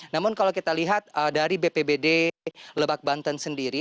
namun kalau kita lihat dari bpbd lebak banten sendiri